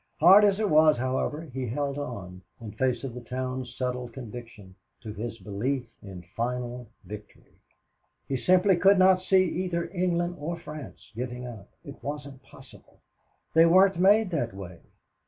Hard as it was, however, he held on, in face of the town's settled conviction, to his belief in final victory. He simply could not see either England or France giving up. It wasn't possible. They weren't made that way.